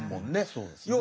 そうですね。